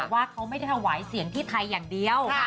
ว่าเขาไม่ได้ถวายเสียงที่ไทยอย่างเดียว